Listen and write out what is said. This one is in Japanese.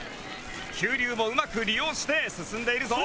急流もうまく利用して進んでいるぞ。